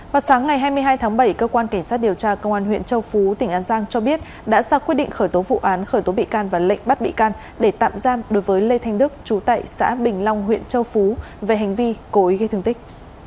vào sáng ngày hai mươi hai tháng bảy cơ quan cảnh sát điều tra công an huyện châu phú tỉnh an giang cho biết đã ra quyết định khởi tố vụ án khởi tố bị can và lệnh bắt bị can để tạm giam đối với lê thanh đức trú tại xã bình long huyện châu phú về hành vi cố ý gây thương tích